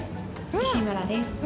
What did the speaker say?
石村です。